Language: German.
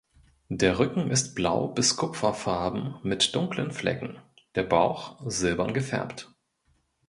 Der Rücken ist blau bis kupferfarben mit dunklen Flecken, der Bauch silbern gefärbt.